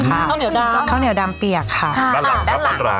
ข้าวเหนียวดำข้าวเหนียวดำเปียกค่ะด้านหลังด้านหลังร้าน